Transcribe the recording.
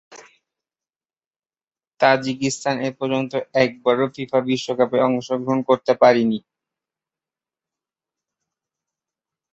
Tajikistan এপর্যন্ত একবারও FIFA বিশ্বকাপে অংশগ্রহণ করতে পারেনি।